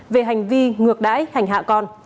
về hành vi ngược đãi hành hạ con